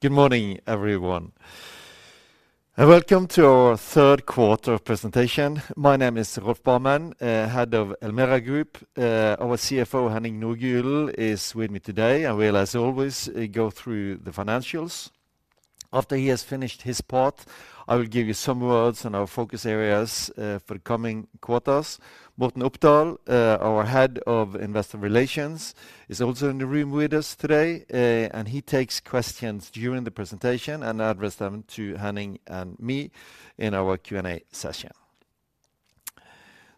Good morning, everyone, and welcome to our Q3 presentation. My name is Rolf Barmen, Head of Elmera Group. Our CFO, Henning Nordgulen, is with me today, and will, as always, go through the financials. After he has finished his part, I will give you some words on our focus areas, for the coming quarters. Morten Opdal, our Head of Investor Relations, is also in the room with us today. And he takes questions during the presentation and address them to Henning and me in our Q&A session.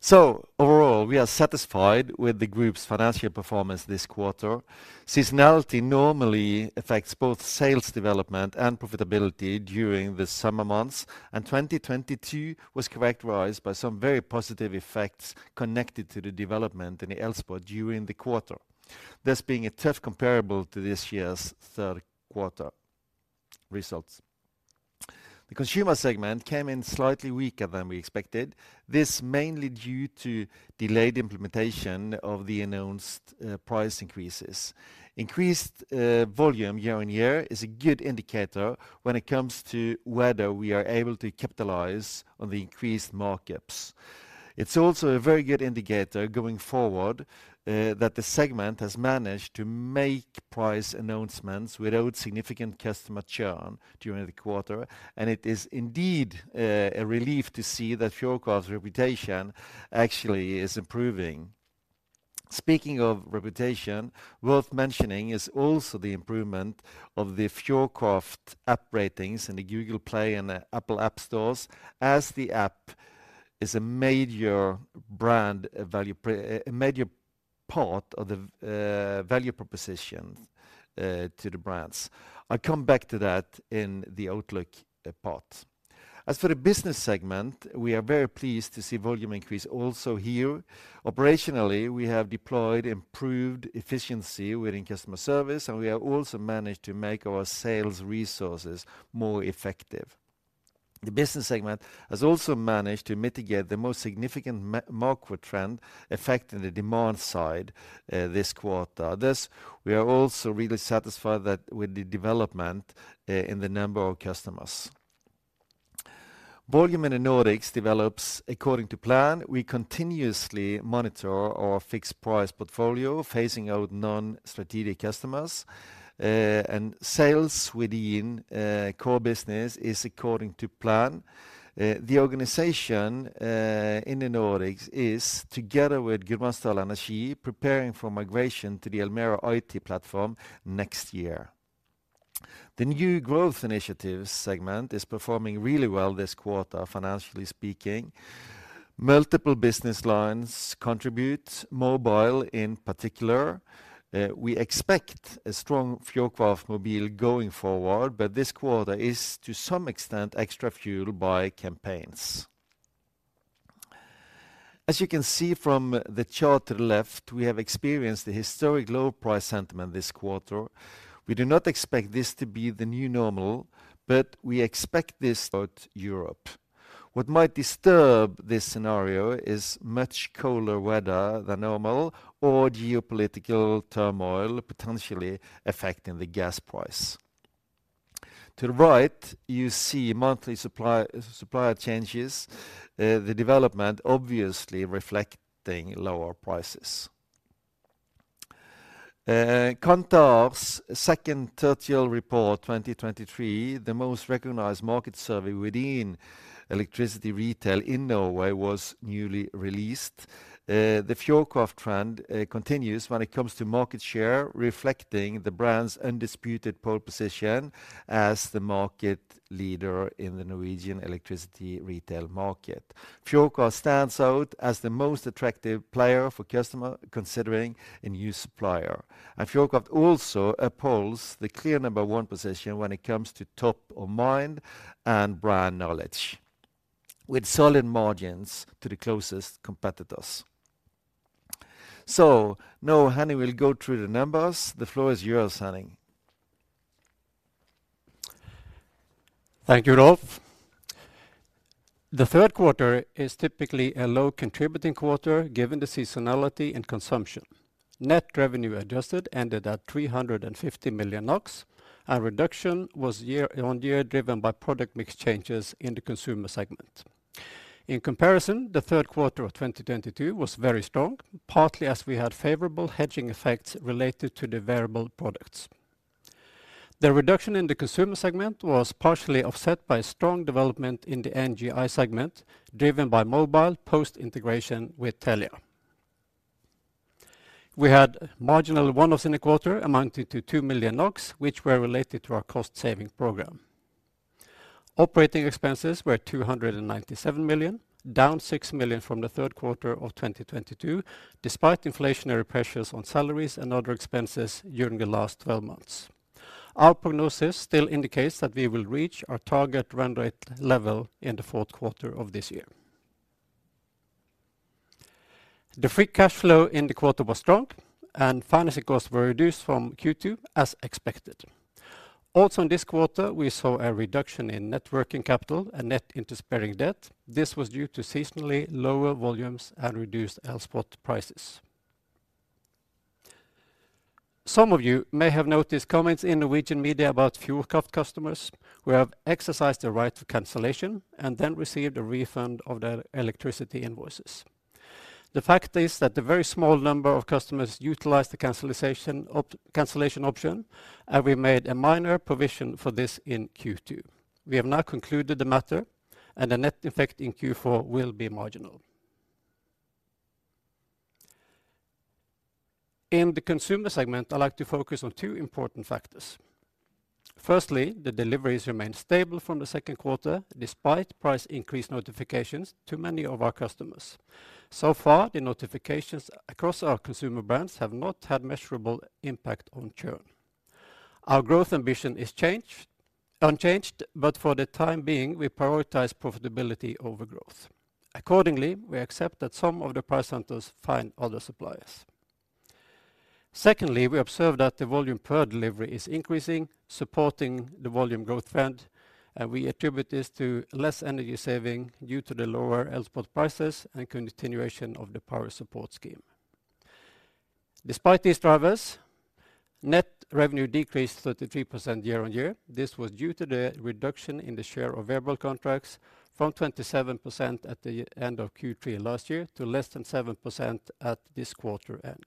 So overall, we are satisfied with the group's financial performance this quarter. Seasonality normally affects both sales development and profitability during the summer months, and 2022 was characterized by some very positive effects connected to the development in the Elspot during the quarter, this being a tough comparable to this year's Q3 results. The consumer segment came in slightly weaker than we expected. This mainly due to delayed implementation of the announced price increases. Increased volume year-on-year is a good indicator when it comes to whether we are able to capitalize on the increased markups. It's also a very good indicator going forward, that the segment has managed to make price announcements without significant customer churn during the quarter, and it is indeed, a relief to see that Fjordkraft's reputation actually is improving. Speaking of reputation, worth mentioning is also the improvement of the Fjordkraft app ratings in the Google Play and the Apple App stores, as the app is a major brand, a major part of the value proposition, to the brands. I come back to that in the outlook part. As for the business segment, we are very pleased to see volume increase also here. Operationally, we have deployed improved efficiency within customer service, and we have also managed to make our sales resources more effective. The business segment has also managed to mitigate the most significant market trend affecting the demand side this quarter. Thus, we are also really satisfied that with the development in the number of customers. Volume in the Nordics develops according to plan. We continuously monitor our fixed price portfolio, phasing out non-strategic customers, and sales within core business is according to plan. The organization in the Nordics is, together with Gudbrandsdal Energi, preparing for migration to the Elmera IT platform next year. The New Growth Initiatives segment is performing really well this quarter, financially speaking. Multiple business lines contribute, mobile in particular. We expect a strong Fjordkraft Mobil going forward, but this quarter is, to some extent, extra fueled by campaigns. As you can see from the chart to the left, we have experienced a historic low price sentiment this quarter. We do not expect this to be the new normal, but we expect this throughout Europe. What might disturb this scenario is much colder weather than normal or geopolitical turmoil, potentially affecting the gas price. To the right, you see monthly supplier changes, the development obviously reflecting lower prices. Kantar's second tertial report 2023, the most recognized market survey within electricity retail in Norway, was newly released. The Fjordkraft trend continues when it comes to market share, reflecting the brand's undisputed pole position as the market leader in the Norwegian electricity retail market. Fjordkraft stands out as the most attractive player for customer considering a new supplier. Fjordkraft also upholds the clear number one position when it comes to top of mind and brand knowledge, with solid margins to the closest competitors. Now Henning will go through the numbers. The floor is yours, Henning. Thank you, Rolf. The Q3 is typically a low contributing quarter, given the seasonality and consumption. Net revenue adjusted ended at 350 million NOK. Our reduction was year-on-year, driven by product mix changes in the consumer segment. In comparison, the Q3 of 2022 was very strong, partly as we had favorable hedging effects related to the variable products. The reduction in the consumer segment was partially offset by a strong development in the NGI segment, driven by mobile post-integration with Telia. We had marginal one-offs in the quarter, amounted to 2 million NOK, which were related to our cost-saving program. Operating expenses were 297 million, down 6 million from the Q3 of 2022, despite inflationary pressures on salaries and other expenses during the last 12 months. Our prognosis still indicates that we will reach our target run rate level in the Q4 of this year. The free cash flow in the quarter was strong, and financing costs were reduced from Q2, as expected. Also, in this quarter, we saw a reduction in net working capital and net interest-bearing debt. This was due to seasonally lower volumes and reduced Elspot prices. Some of you may have noticed comments in Norwegian media about Fjordkraft customers who have exercised their right to cancellation and then received a refund of their electricity invoices. The fact is that a very small number of customers utilized the cancellation option, and we made a minor provision for this in Q2. We have now concluded the matter, and the net effect in Q4 will be marginal. In the consumer segment, I'd like to focus on two important factors. Firstly, the deliveries remain stable from the Q2, despite price increase notifications to many of our customers. So far, the notifications across our consumer brands have not had measurable impact on churn. Our growth ambition is unchanged, but for the time being, we prioritize profitability over growth. Accordingly, we accept that some of the price hunters find other suppliers. Secondly, we observe that the volume per delivery is increasing, supporting the volume growth trend, and we attribute this to less energy saving due to the lower Elspot prices and continuation of the power support scheme. Despite these drivers, net revenue decreased 33% year-on-year. This was due to the reduction in the share of variable contracts from 27% at the end of Q3 last year to less than 7% at this quarter end.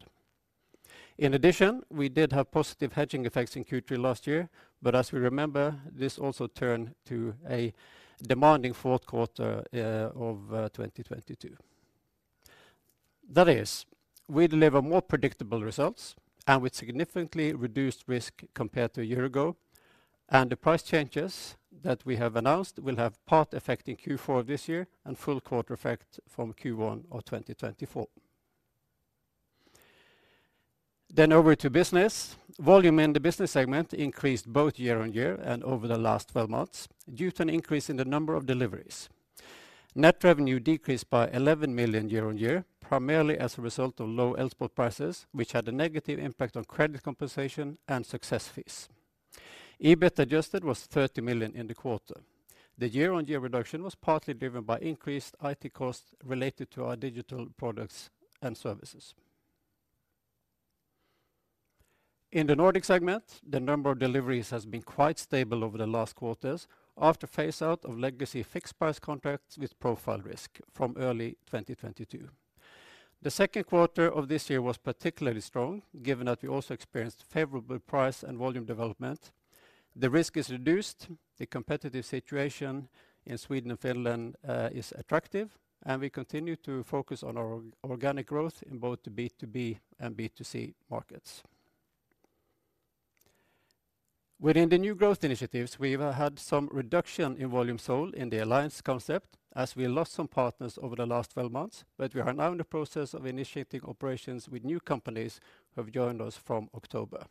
In addition, we did have positive hedging effects in Q3 last year, but as we remember, this also turned to a demanding Q4 of 2022. That is, we deliver more predictable results and with significantly reduced risk compared to a year ago, and the price changes that we have announced will have part effect in Q4 this year and full quarter effect from Q1 of 2024. Then over to business. Volume in the business segment increased both year-on-year and over the last 12 months due to an increase in the number of deliveries. Net revenue decreased by 11 million year-on-year, primarily as a result of low Elspot prices, which had a negative impact on credit compensation and success fees. EBIT adjusted was 30 million in the quarter. The year-on-year reduction was partly driven by increased IT costs related to our digital products and services. In the Nordic segment, the number of deliveries has been quite stable over the last quarters after phase out of legacy fixed price contracts with profile risk from early 2022. The Q2 of this year was particularly strong, given that we also experienced favorable price and volume development. The risk is reduced, the competitive situation in Sweden and Finland is attractive, and we continue to focus on our organic growth in both the B2B and B2C markets. Within the new growth initiatives, we've had some reduction in volume sold in the Alliance concept, as we lost some partners over the last 12 months, but we are now in the process of initiating operations with new companies who have joined us from October.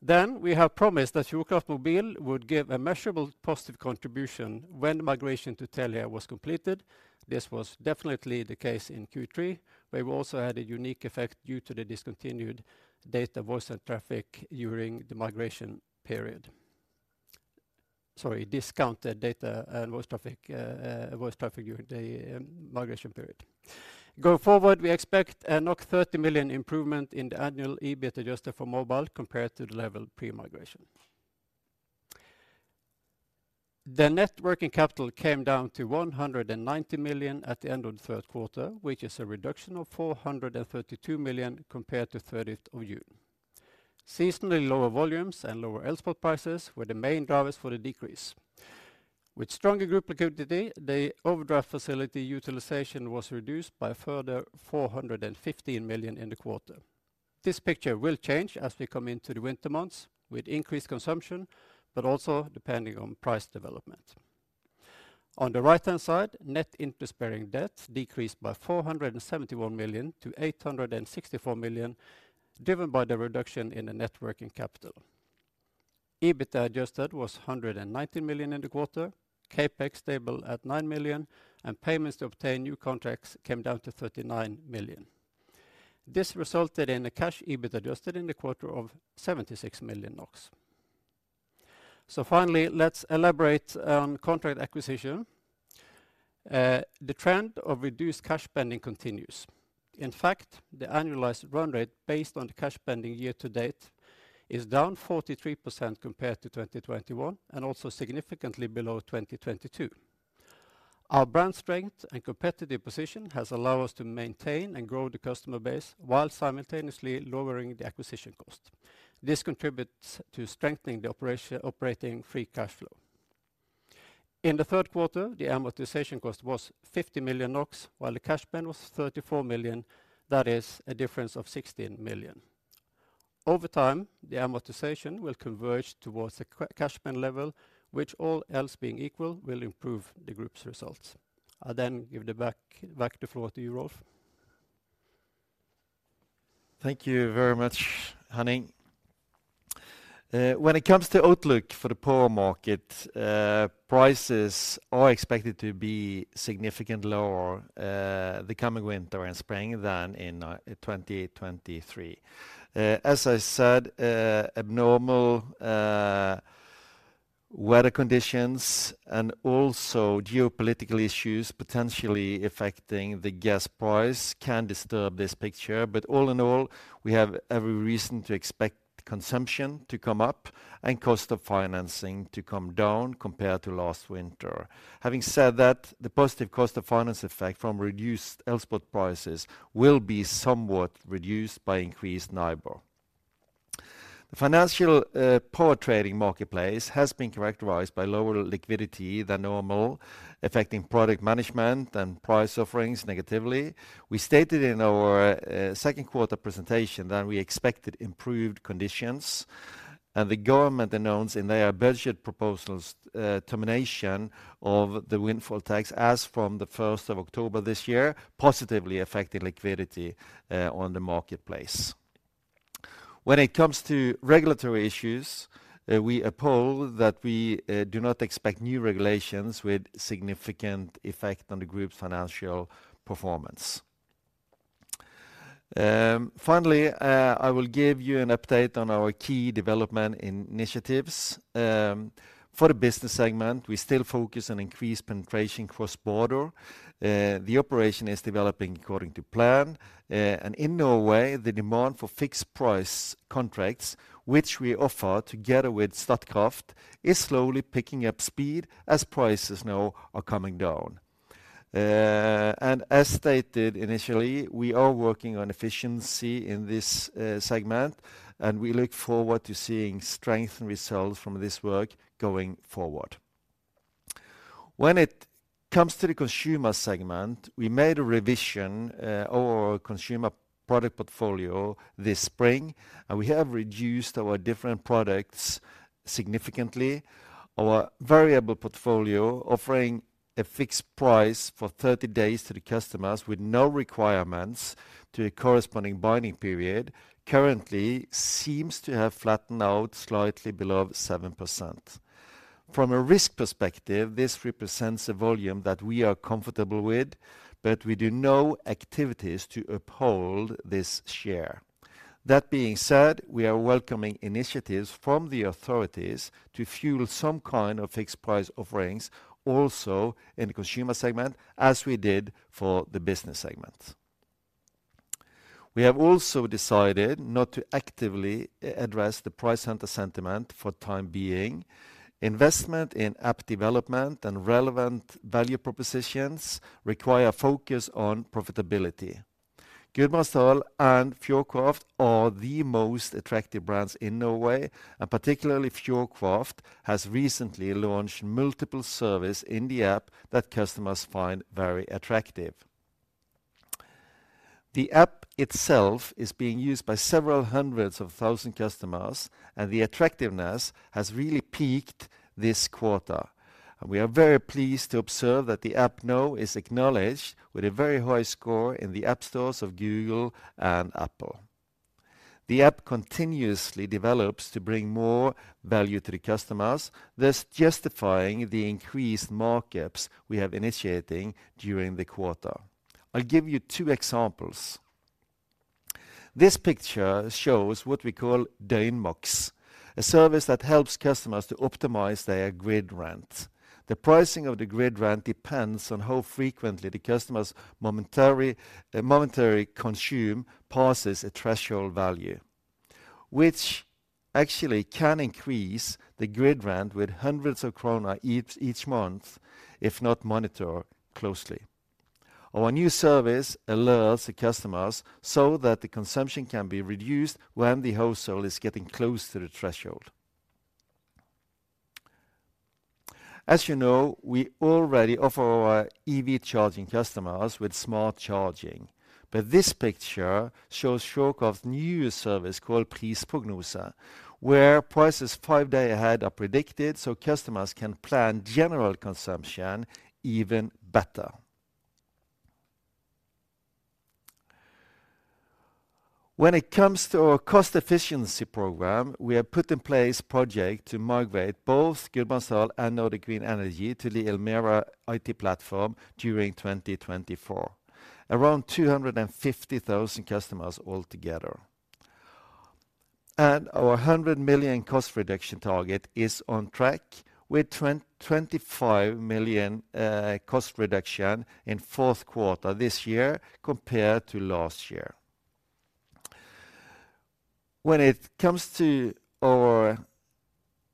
Then we have promised that Fjordkraft Mobil would give a measurable positive contribution when the migration to Telia was completed. This was definitely the case in Q3, where we also had a unique effect due to the discontinued data, voice, and traffic during the migration period. Sorry, discounted data and voice traffic during the migration period. Going forward, we expect a 30 million improvement in the annual EBIT adjusted for mobile compared to the level pre-migration. The net working capital came down to 190 million at the end of the Q3, which is a reduction of 432 million compared to 30th of June. Seasonally, lower volumes and lower Elspot prices were the main drivers for the decrease. With stronger group liquidity, the overdraft facility utilization was reduced by a further 415 million in the quarter. This picture will change as we come into the winter months with increased consumption, but also depending on price development. On the right-hand side, net interest-bearing debts decreased by 471 million to 864 million, driven by the reduction in the net working capital. EBIT adjusted was 119 million in the quarter, CapEx stable at 9 million, and payments to obtain new contracts came down to 39 million. This resulted in a cash EBIT adjusted in the quarter of 76 million NOK. So finally, let's elaborate on contract acquisition. The trend of reduced cash spending continues. In fact, the annualized run rate, based on the cash spending year-to-date, is down 43% compared to 2021 and also significantly below 2022. Our brand strength and competitive position has allowed us to maintain and grow the customer base while simultaneously lowering the acquisition cost. This contributes to strengthening the operating free cash flow. In the Q3, the amortization cost was 50 million NOK, while the cash spend was 34 million. That is a difference of 16 million. Over time, the amortization will converge towards the cash spend level, which, all else being equal, will improve the group's results. I then give back the floor to you, Rolf. Thank you very much, Henning. When it comes to outlook for the power market, prices are expected to be significantly lower the coming winter and spring than in 2023. As I said, abnormal weather conditions and also geopolitical issues potentially affecting the gas price can disturb this picture. But all in all, we have every reason to expect consumption to come up and cost of financing to come down compared to last winter. Having said that, the positive cost of finance effect from reduced Elspot prices will be somewhat reduced by increased NIBOR. The financial power trading marketplace has been characterized by lower liquidity than normal, affecting product management and price offerings negatively. We stated in our Q2 presentation that we expected improved conditions, and the government announced in their budget proposals termination of the windfall tax as from the October 1 this year, positively affecting liquidity on the marketplace. When it comes to regulatory issues, we uphold that we do not expect new regulations with significant effect on the group's financial performance. Finally, I will give you an update on our key development initiatives. For the business segment, we still focus on increased penetration cross-border. The operation is developing according to plan. And in Norway, the demand for fixed-price contracts, which we offer together with Statkraft, is slowly picking up speed as prices now are coming down. As stated initially, we are working on efficiency in this segment, and we look forward to seeing strength and results from this work going forward. When it comes to the consumer segment, we made a revision over our consumer product portfolio this spring, and we have reduced our different products significantly. Our variable portfolio, offering a fixed price for 30 days to the customers with no requirements to a corresponding binding period, currently seems to have flattened out slightly below 7%. From a risk perspective, this represents a volume that we are comfortable with, but we do no activities to uphold this share. That being said, we are welcoming initiatives from the authorities to fuel some kind of fixed price offerings also in the consumer segment, as we did for the business segment. We have also decided not to actively address the price hunter sentiment for time being. Investment in app development and relevant value propositions require focus on profitability. Gudbrandsdal and Fjordkraft are the most attractive brands in Norway, and particularly Fjordkraft has recently launched multiple service in the app that customers find very attractive. The app itself is being used by several hundreds of thousand customers, and the attractiveness has really peaked this quarter. And we are very pleased to observe that the app now is acknowledged with a very high score in the app stores of Google and Apple. The app continuously develops to bring more value to the customers, thus justifying the increased markups we have initiating during the quarter. I'll give you two examples. This picture shows what we call Døgnmaks, a service that helps customers to optimize their grid rent. The pricing of the grid rent depends on how frequently the customer's momentary consume passes a threshold value, which actually can increase the grid rent with hundreds of NOK each month, if not monitored closely. Our new service alerts the customers so that the consumption can be reduced when the household is getting close to the threshold. As you know, we already offer our EV charging customers with smart charging. But this picture shows Fjordkraft's new service called Prisprognose, where prices five days ahead are predicted, so customers can plan general consumption even better. When it comes to our cost efficiency program, we have put in place project to migrate both Gudbrandsdal and Nordic Green Energy to the Elmera IT platform during 2024. Around 250,000 customers altogether. Our 100 million cost reduction target is on track, with 25 million cost reduction in Q4 this year compared to last year. When it comes to our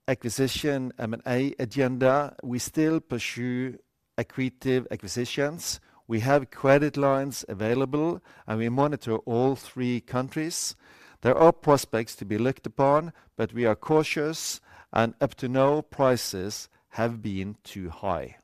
acquisition M&A agenda, we still pursue accretive acquisitions. We have credit lines available, and we monitor all three countries. There are prospects to be looked upon, but we are cautious, and up to now, prices have been too high.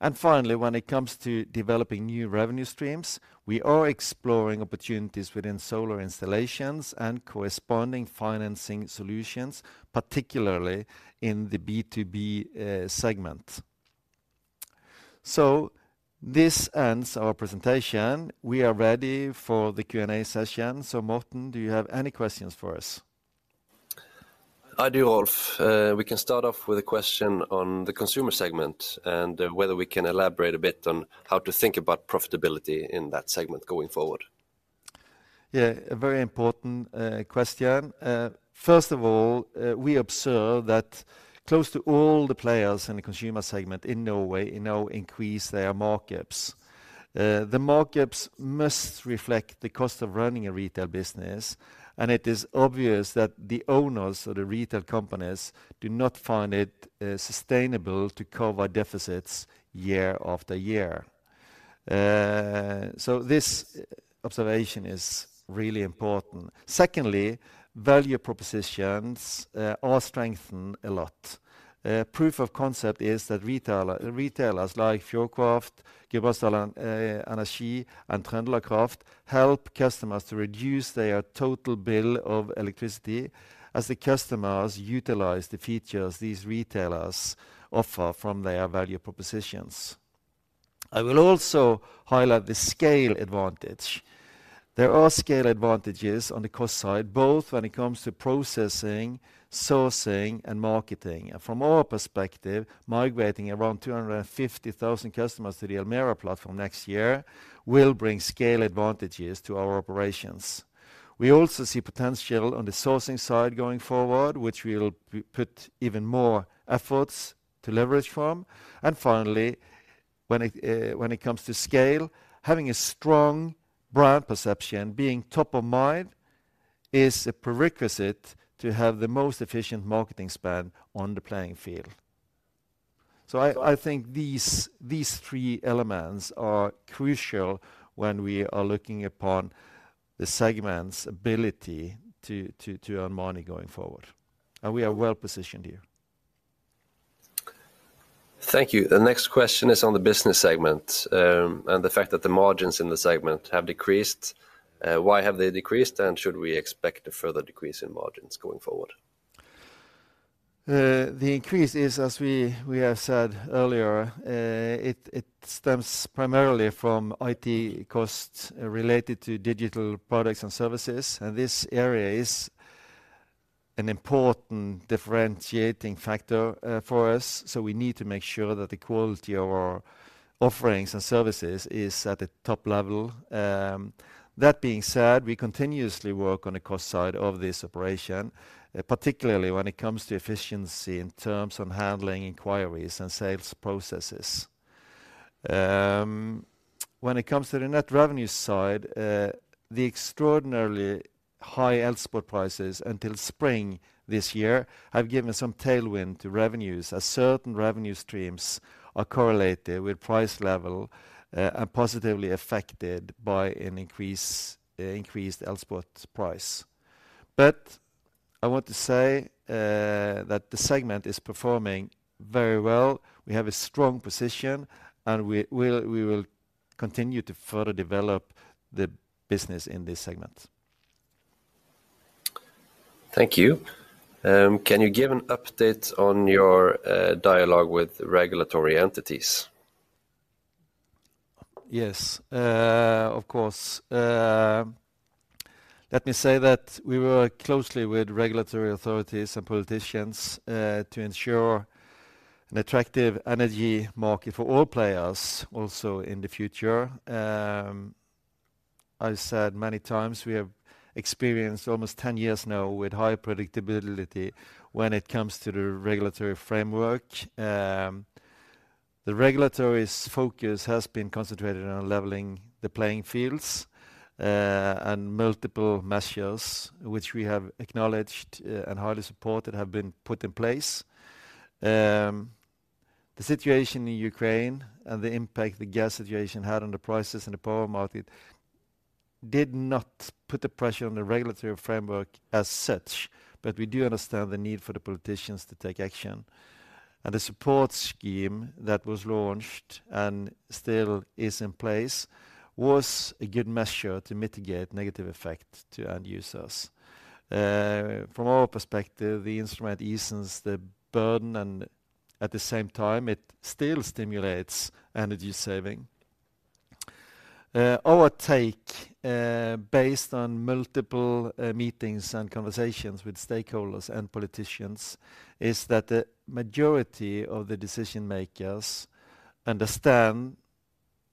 And finally, when it comes to developing new revenue streams, we are exploring opportunities within solar installations and corresponding financing solutions, particularly in the B2B segment. This ends our presentation. We are ready for the Q&A session. Morten, do you have any questions for us? I do, Rolf. We can start off with a question on the consumer segment and whether we can elaborate a bit on how to think about profitability in that segment going forward. Yeah, a very important question. First of all, we observe that close to all the players in the consumer segment in Norway, you know, increase their markups. The markups must reflect the cost of running a retail business, and it is obvious that the owners of the retail companies do not find it sustainable to cover deficits year after year. So this observation is really important. Secondly, value propositions are strengthened a lot. Proof of concept is that retailers like Fjordkraft, Gjensidige, and Trøndelag Kraft, help customers to reduce their total bill of electricity as the customers utilize the features these retailers offer from their value propositions. I will also highlight the scale advantage. There are scale advantages on the cost side, both when it comes to processing, sourcing, and marketing. From our perspective, migrating around 250,000 customers to the Elmera platform next year will bring scale advantages to our operations. We also see potential on the sourcing side going forward, which we will put even more efforts to leverage from. Finally, when it comes to scale, having a strong brand perception, being top of mind, is a prerequisite to have the most efficient marketing span on the playing field. So I think these three elements are crucial when we are looking upon the segment's ability to earn money going forward, and we are well positioned here. Thank you. The next question is on the business segment, and the fact that the margins in the segment have decreased. Why have they decreased, and should we expect a further decrease in margins going forward? The increase is, as we have said earlier, it stems primarily from IT costs related to digital products and services, and this area is an important differentiating factor for us, so we need to make sure that the quality of our offerings and services is at the top level. That being said, we continuously work on the cost side of this operation, particularly when it comes to efficiency in terms of handling inquiries and sales processes. When it comes to the net revenue side, the extraordinarily high Elspot prices until spring this year have given some tailwind to revenues, as certain revenue streams are correlated with price level and positively affected by an increased Elspot price. But I want to say that the segment is performing very well. We have a strong position, and we will, we will continue to further develop the business in this segment. Thank you. Can you give an update on your dialogue with regulatory entities? Yes, of course. Let me say that we work closely with regulatory authorities and politicians to ensure an attractive energy market for all players, also in the future. I've said many times, we have experienced almost 10 years now with high predictability when it comes to the regulatory framework. The regulators' focus has been concentrated on leveling the playing fields, and multiple measures, which we have acknowledged, and highly supported, have been put in place. The situation in Ukraine and the impact the gas situation had on the prices in the power market did not put the pressure on the regulatory framework as such, but we do understand the need for the politicians to take action. The support scheme that was launched, and still is in place, was a good measure to mitigate negative effect to end users. From our perspective, the instrument eases the burden, and at the same time, it still stimulates energy saving. Our take, based on multiple, meetings and conversations with stakeholders and politicians, is that the majority of the decision makers understand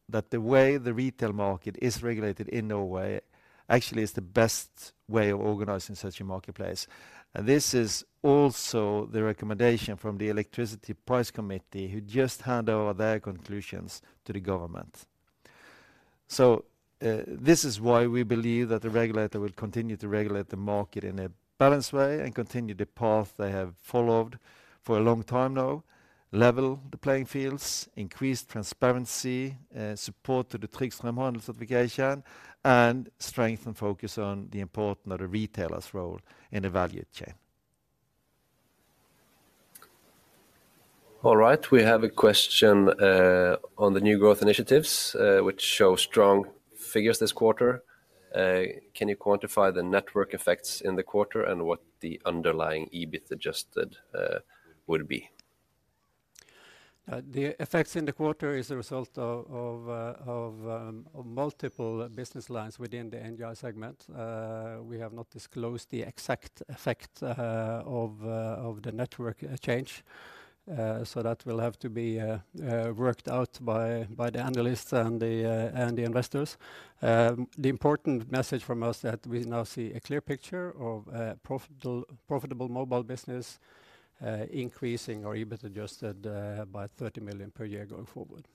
that the way the retail market is regulated in Norway actually is the best way of organizing such a marketplace. And this is also the recommendation from the Electricity Price Committee, who just hand over their conclusions to the government. So, this is why we believe that the regulator will continue to regulate the market in a balanced way and continue the path they have followed for a long time now: level the playing fields, increase transparency, support to the Trygg Strømhandel certification, and strengthen focus on the importance of the retailer's role in the value chain. All right. We have a question on the New Growth Initiatives, which show strong figures this quarter. Can you quantify the network effects in the quarter and what the underlying EBIT adjusted would be? The effects in the quarter is a result of multiple business lines within the NGI segment. we have not disclosed the exact effect of the network change. So that will have to be worked out by the analysts and the investors. The important message from us that we now see a clear picture of a profitable mobile business, increasing our EBIT adjusted by 30 million per year going forward.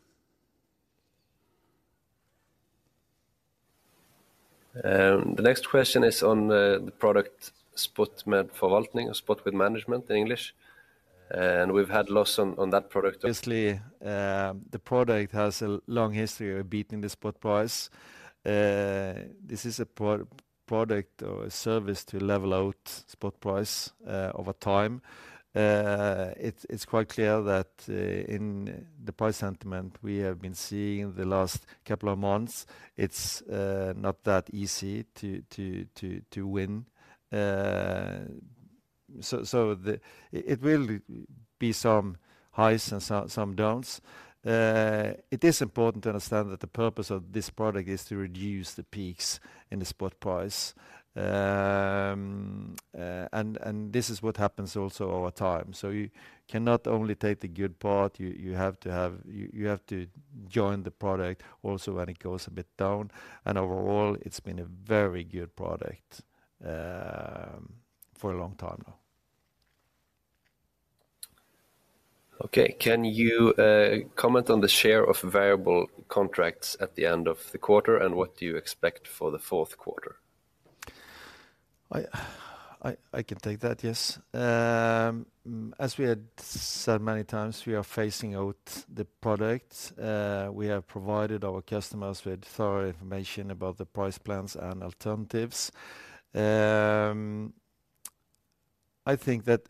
The next question is on the product Spot med forvaltning, spot with management in English, and we've had loss on that product. Obviously, the product has a long history of beating the spot price. This is a product or a service to level out spot price over time. It's quite clear that in the price sentiment we have been seeing the last couple of months, it's not that easy to win. So it will be some highs and some downs. It is important to understand that the purpose of this product is to reduce the peaks in the spot price. And this is what happens also over time. So you cannot only take the good part, you have to join the product also when it goes a bit down. And overall, it's been a very good product for a long time now. Okay. Can you comment on the share of variable contracts at the end of the quarter, and what do you expect for the Q4? I can take that, yes. As we had said many times, we are phasing out the product. We have provided our customers with thorough information about the price plans and alternatives. I think that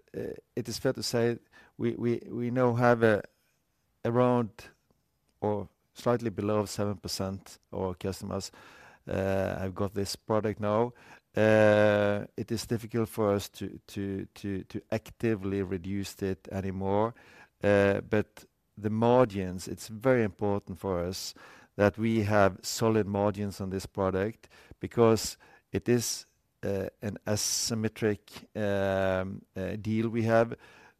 it is fair to say we now have around or slightly below 7% of our customers have got this product now. It is difficult for us to actively reduce it anymore. But the margins, it's very important for us that we have solid margins on this product because it is an asymmetric deal we have.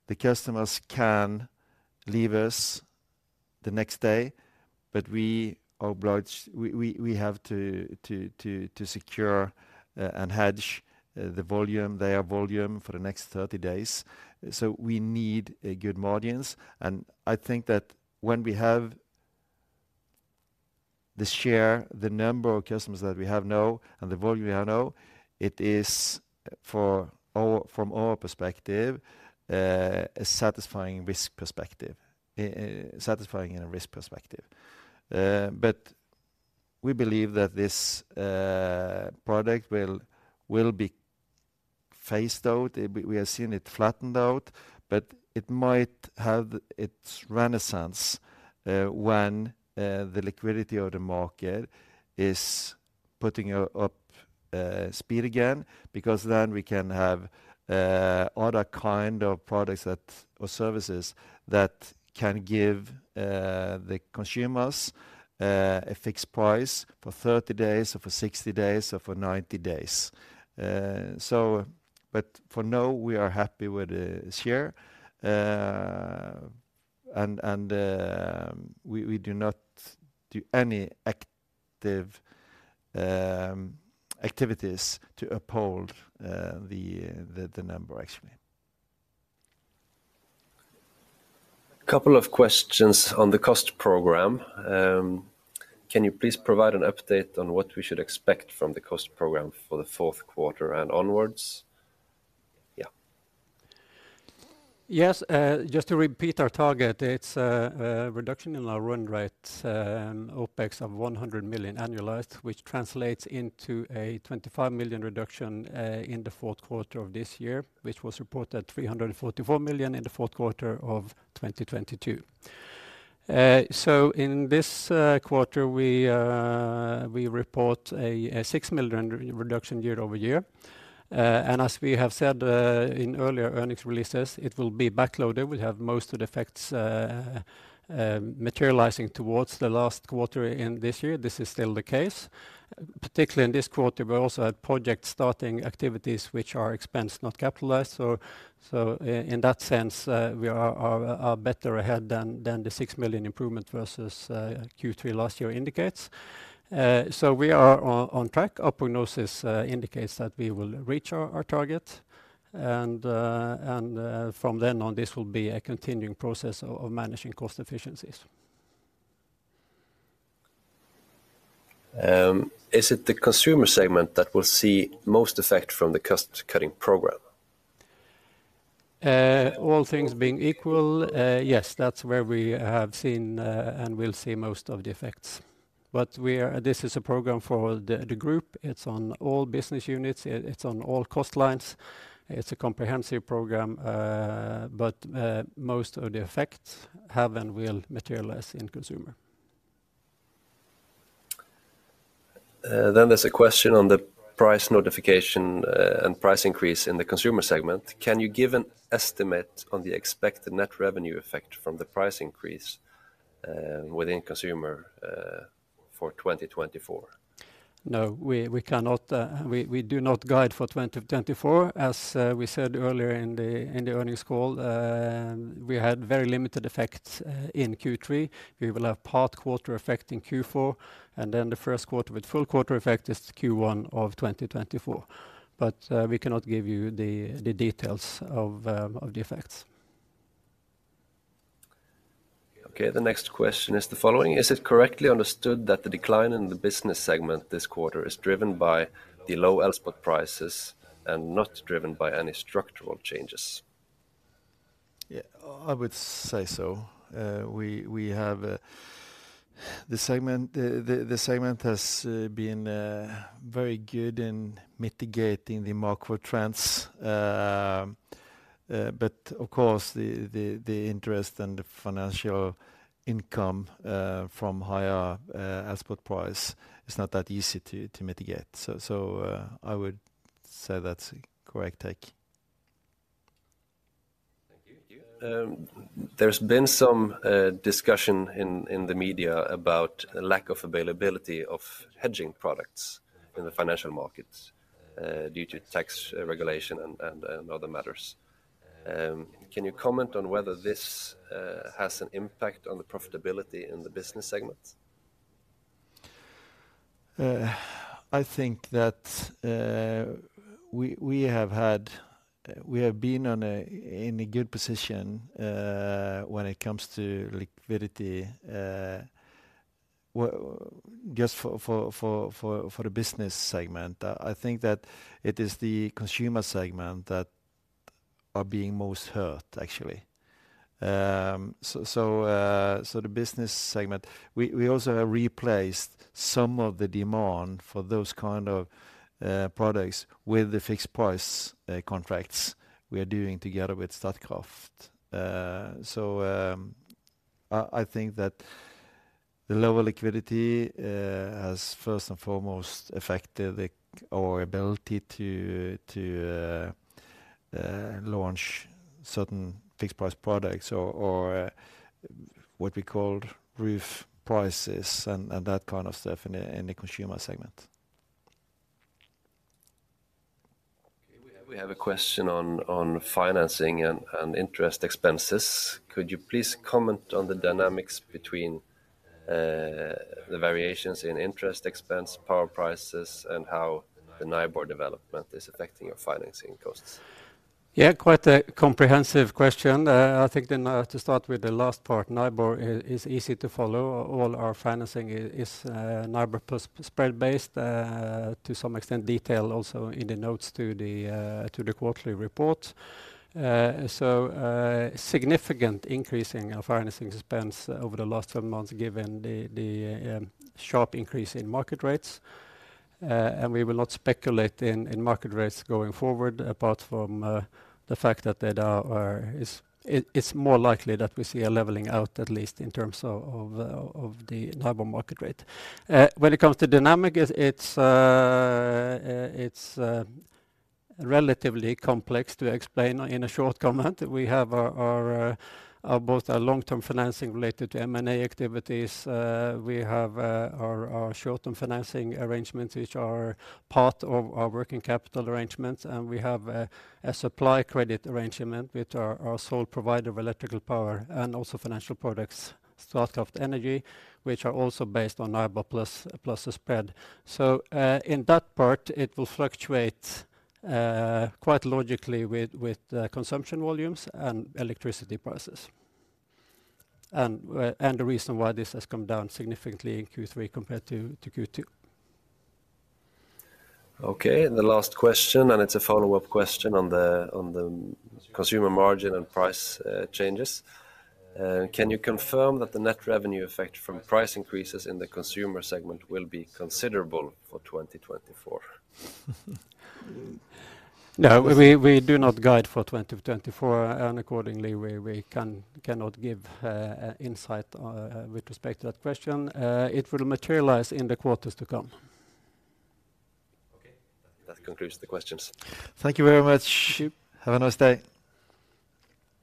The customers can leave us the next day, but we are obliged... We have to secure and hedge the volume, their volume for the next 30 days. So we need a good margins. I think that when we have the share, the number of customers that we have now and the volume we have now, it is from our perspective a satisfying risk perspective. Satisfying in a risk perspective. But we believe that this product will be phased out. We have seen it flattened out, but it might have its renaissance when the liquidity of the market is putting up speed again. Because then we can have other kind of products that, or services that can give the consumers a fixed price for 30 days, or for 60 days, or for 90 days. So, but for now, we are happy with the share, and we do not do any active activities to uphold the number, actually. Couple of questions on the cost program. Can you please provide an update on what we should expect from the cost program for the Q4 and onwards? Yeah. Yes, just to repeat our target, it's a reduction in our run rate and OPEX of 100 million annualized, which translates into a 25 million reduction in the Q4 of this year, which was reported 344 million in the Q4 of 2022. So in this quarter, we report a 6 million reduction year-over-year. And as we have said in earlier earnings releases, it will be backloaded. We'll have most of the effects materializing towards the last quarter in this year. This is still the case. Particularly in this quarter, we also had project starting activities which are expensed, not capitalized. So in that sense, we are better ahead than the 6 million improvement versus Q3 last year indicates. So we are on track. Our prognosis indicates that we will reach our target, and from then on, this will be a continuing process of managing cost efficiencies. Is it the consumer segment that will see most effect from the cost-cutting program? All things being equal, yes, that's where we have seen and will see most of the effects. But we are, this is a program for the group. It's on all business units. It's on all cost lines. It's a comprehensive program, but most of the effects have and will materialize in consumer. Then there's a question on the price notification, and price increase in the consumer segment. Can you give an estimate on the expected net revenue effect from the price increase within consumer for 2024? No, we cannot guide for 2024. As we said earlier in the earnings call, we had very limited effects in Q3. We will have part quarter effect in Q4, and then the Q1 with full quarter effect is Q1 of 2024. But we cannot give you the details of the effects. Okay, the next question is the following: Is it correctly understood that the decline in the business segment this quarter is driven by the low Elspot prices and not driven by any structural changes? Yeah, I would say so. We have... The segment has been very good in mitigating the market trends. But of course, the interest and the financial income from higher Elspot price is not that easy to mitigate. So, I would say that's a correct take. Thank you. There's been some discussion in the media about a lack of availability of hedging products in the financial markets, due to tax regulation and other matters. Can you comment on whether this has an impact on the profitability in the business segment? I think that we have been in a good position when it comes to liquidity, well, just for the business segment. I think that it is the consumer segment that are being most hurt, actually. So the business segment, we also have replaced some of the demand for those kind of products with the fixed price contracts we are doing together with Statkraft. I think that the lower liquidity has first and foremost affected our ability to launch certain fixed price products or what we call roof prices and that kind of stuff in the consumer segment. Okay. We have a question on financing and interest expenses. Could you please comment on the dynamics between the variations in interest expense, power prices, and how the NIBOR development is affecting your financing costs? Yeah, quite a comprehensive question. I think then I have to start with the last part. NIBOR is easy to follow. All our financing is NIBOR plus spread-based, to some extent, detail also in the notes to the quarterly report. So, significant increasing of our financing expense over the last several months, given the sharp increase in market rates. And we will not speculate in market rates going forward, apart from the fact that there is--it's more likely that we see a leveling out, at least in terms of the NIBOR market rate. When it comes to dynamic, it's relatively complex to explain in a short comment. We have both our long-term financing related to M&A activities. We have our short-term financing arrangements, which are part of our working capital arrangements, and we have a supply credit arrangement with our sole provider of electrical power and also financial products, Statkraft Energy, which are also based on NIBOR plus a spread. So, in that part, it will fluctuate quite logically with consumption volumes and electricity prices, and the reason why this has come down significantly in Q3 compared to Q2. Okay, and the last question, and it's a follow-up question on the consumer margin and price changes. Can you confirm that the net revenue effect from price increases in the consumer segment will be considerable for 2024? No, we do not guide for 2024, and accordingly, we cannot give insight with respect to that question. It will materialize in the quarters to come. Okay. That concludes the questions. Thank you very much. Have a nice day.